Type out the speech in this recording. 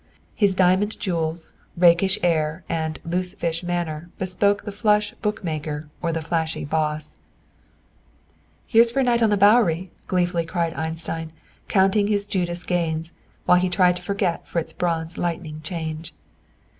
His diamond jewels, rakish air and "loose fish" manner bespoke the flush book maker or the flashy "boss." "Here's for a night on the Bowery," gleefully cried Einstein, counting his Judas gains, while he tried to forget Fritz Braun's lightning change.